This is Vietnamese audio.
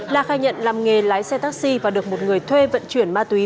la khai nhận làm nghề lái xe taxi và được một người thuê vận chuyển ma túy